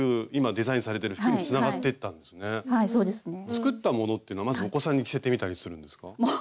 作ったものってのはまずお子さんに着せてみたりするんですか？